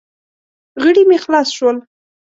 غړي مې خلاص شول.